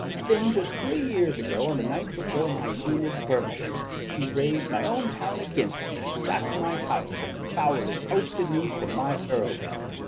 Then, just three years ago on the night before my Enid's birthday, he raised my own town against ne, and sacked my house, and foully ousted me from my earldom.